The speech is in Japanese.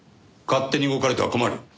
勝手に動かれては困る。